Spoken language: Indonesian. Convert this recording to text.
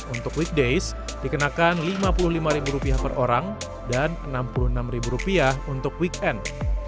untuk weekdays dikenakan rp lima puluh lima per orang dan rp enam puluh enam untuk weekend